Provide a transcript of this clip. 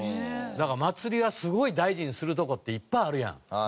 祭りはすごい大事にするとこっていっぱいあるやん。